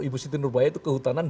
ibu siti nurbaya itu kehutanan